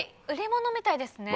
売り物みたいです。